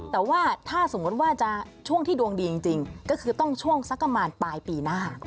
แต่ว่าถ้าสมมุติว่าจะช่วงที่ดวงดีจริงก็คือต้องช่วงสักประมาณปลายปีหน้า